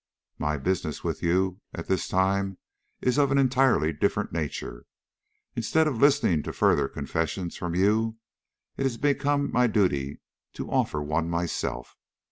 My business with you at this time is of an entirely different nature. Instead of listening to further confessions from you, it has become my duty to offer one myself.